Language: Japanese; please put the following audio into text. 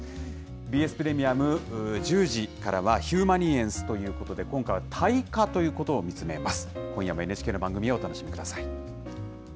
ＢＳプレミアム、１０時からは、ヒューマニエンスということで、今回は退化ということを見つめます。